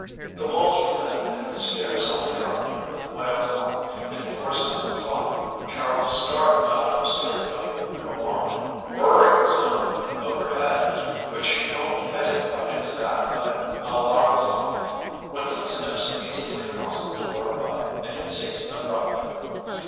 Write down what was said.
The walls were thin and the stairs only carpeted with oilcloth, and before seven o'clock Char was startled out of sleep by a prolonged whirring sound overhead, which she only identified as that of an alarm clock, when footsteps hastily crossed the floor above, and it ceased abruptly.